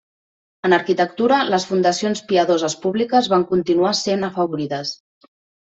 En arquitectura, les fundacions piadoses públiques van continuar sent afavorides.